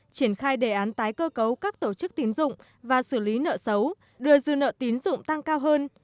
triển khai đề án tái cơ cấu các tổ chức tín dụng và xử lý nợ xấu đưa dư nợ tín dụng tăng cao hơn